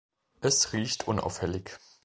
Es riecht unauffällig.